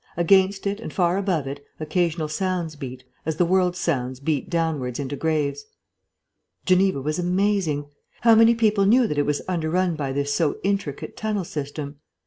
Against it and far above it, occasional sounds beat, as the world's sounds beat downwards into graves. Geneva was amazing. How many people knew that it was under run by this so intricate tunnel system?